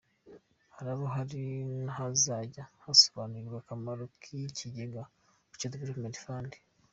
Haraba hari n’ahazajya hasobanurirwa akamaro k’ikigega “Agaciro Development Fund”.